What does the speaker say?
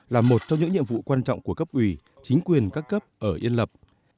là một trong những nhiệm vụ quan trọng của cấp ủy chính quyền các cấp ở yên lập